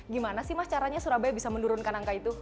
gimana sih mas caranya surabaya bisa menurunkan angka itu